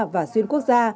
và xuyên quốc gia